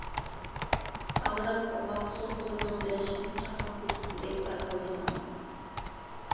ئاغرىق ئوماق سول قولىنىڭ بېغىشىدىن چاقماق يىلتىزىدەك تارقالدى ماڭا.